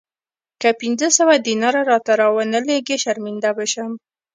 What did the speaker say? که پنځه سوه دیناره راته را ونه لېږې شرمنده به شم.